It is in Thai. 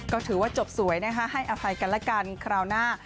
ก็ถือว่าจบสวยนะคะให้อภัยกันแล้วกันคราวหน้า